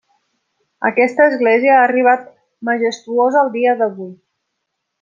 Aquesta església ha arribat majestuosa al dia d'avui: